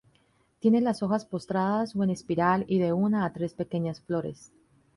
Tiene las hojas postradas o en espiral y de una a tres pequeñas flores.